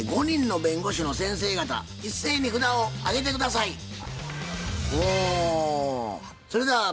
５人の弁護士の先生方一斉に札を上げて下さい。